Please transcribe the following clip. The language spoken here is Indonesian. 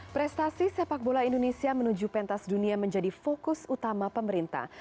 prestasi sepak bola indonesia menuju pentas dunia menjadi fokus utama pemerintah